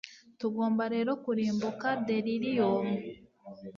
Tugomba rero kurimbuka delirium